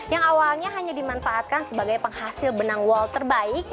yang awalnya hanya dimanfaatkan sebagai penghasil benang wall terbaik